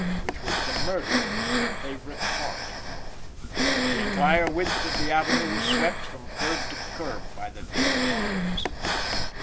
which was the murderer's favorite part The entire width of the avenue was swept, from curb to curb, by the deep lines.